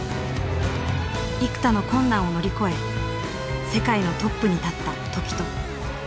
幾多の困難を乗り越え世界のトップに立った凱人。